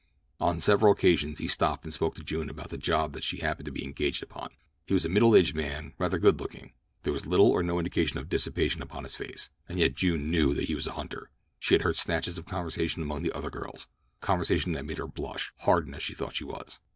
On several occasions he stopped and spoke to June about the job that she happened to be engaged upon. He was a middle aged man, rather good looking. There was little or no indication of dissipation upon his face, and yet June knew that he was a hunter—she had heard snatches of conversation among the other girls; conversation that made her blush, hardened as she thought she was.